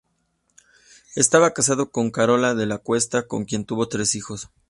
Estaba casado con Carola de la Cuesta, con quien tuvo tres hijos.